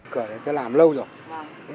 cửa này tôi làm lâu rồi